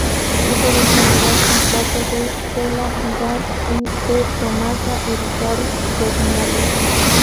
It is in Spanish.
Hijo del general Juan Pardo de Zela Vidal y de Tomasa Urizar Bernales.